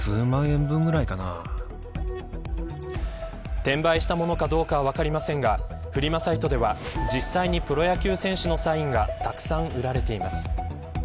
転売したものかどうか分かりませんがフリマサイトでは実際にプロ野球選手のサインがたくさん売られています。